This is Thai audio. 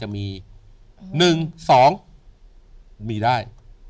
มีได้